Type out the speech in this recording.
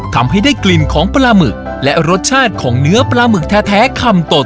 ทำให้ได้กลิ่นของปลาหมึก